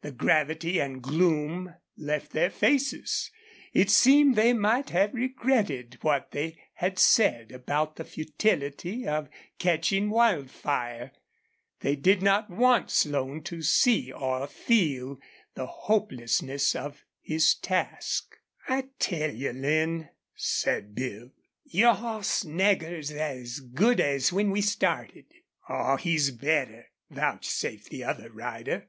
The gravity and gloom left their faces. It seemed they might have regretted what they had said about the futility of catching Wildfire. They did not want Slone to see or feel the hopelessness of his task. "I tell you, Lin," said Bill, "your hoss Nagger's as good as when we started." "Aw, he's better," vouchsafed the other rider.